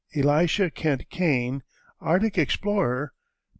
ELISHA KENT KANE, ARCTIC EXPLORER.